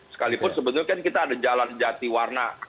sekalipun sebetulnya kan kita ada jalan jati warna